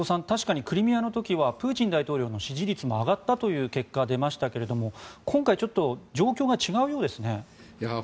確かにクリミアの時はプーチン大統領の支持率も上がったという結果が出ましたけど今回はちょっと状況が違うようですね。